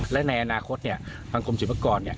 และในอนาคตพังคมสินพักกร